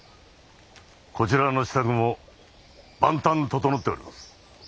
こちらの支度も万端整っております。